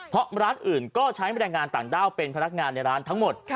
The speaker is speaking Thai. เพราะร้านอื่นก็ใช้แรงงานต่างด้าวเป็นพนักงานในร้านทั้งหมด